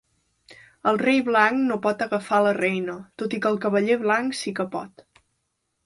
El rei blanc no pot agafar la reina, tot i que el cavaller blanc sí que pot.